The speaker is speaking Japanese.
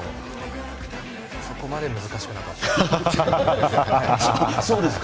そこまで難しくなかったです。